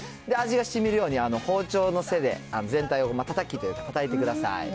味がしみるように、包丁の背で全体をたたきというか、たたいてください。